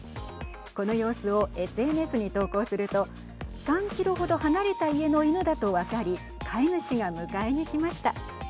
この様子をＳＮＳに投稿すると３キロほど離れた家の犬だと分かり飼い主が迎えに来ました。